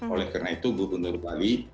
oleh karena itu gubernur bali